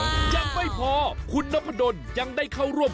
ยังไม่พอคุณนพดลยังได้เข้าร่วม